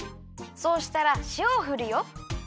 そうしたらしおをふるよ。